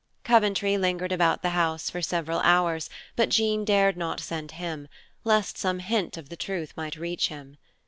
Coventry lingered about the house for several hours, but Jean dared not send him, lest some hint of the truth might reach him.